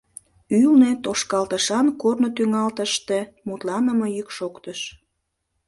Ӱлнӧ, тошкалтышан корно тӱҥалтыште, мутланыме йӱк шоктыш.